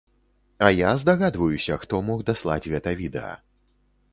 А я здагадваюся, хто мог даслаць гэта відэа.